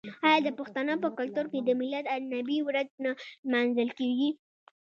آیا د پښتنو په کلتور کې د میلاد النبي ورځ نه لمانځل کیږي؟